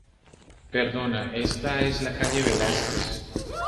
Perdona, ¿esta es la calle Velázquez?